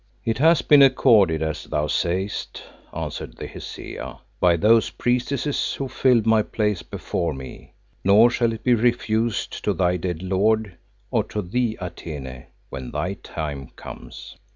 "It has been accorded as thou sayest," answered the Hesea, "by those priestesses who filled my place before me, nor shall it be refused to thy dead lord or to thee Atene when thy time comes."